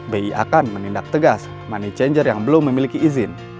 bi akan menindak tegas money changer yang belum memiliki izin